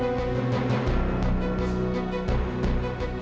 apa yang kamu bothan sprezen tej